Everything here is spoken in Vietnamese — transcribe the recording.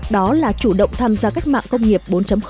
đó là chủ động tham gia cách mạng công nghiệp bốn